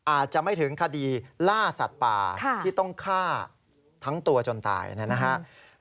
อาจจะไม่ถึงคดีล่าสัตว์ป่าที่ต้องฆ่าทั้งตัวจนตายนะครับ